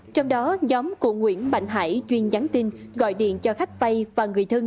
trong đó nhóm của nguyễn mạnh hải chuyên nhắn tin gọi điện cho khách vay và người thân